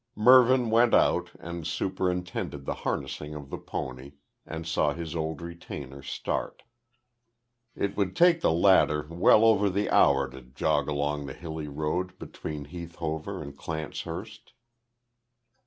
Mervyn went out, and superintended the harnessing of the pony, and saw his old retainer start. It would take the latter well over the hour to jog along the hilly road, between Heath Hover and Clancehurst.